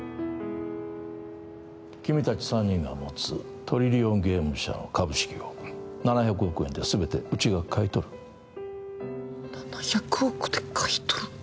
君達三人が持つトリリオンゲーム社の株式を７００億円で全てうちが買い取る７００億で買い取る！？